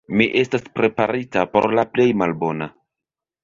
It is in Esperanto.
Mi estas preparita por la plej malbona.